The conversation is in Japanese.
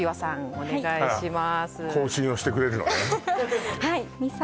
お願いします